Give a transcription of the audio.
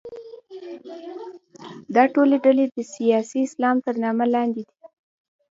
دا ټولې ډلې د سیاسي اسلام تر نامه لاندې دي.